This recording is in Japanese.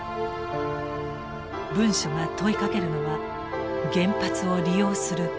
文書が問いかけるのは原発を利用する国の覚悟です。